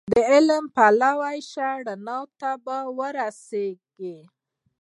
د علم پلوی شه رڼا ته به ورسېږې